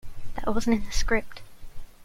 That wasn't in the script.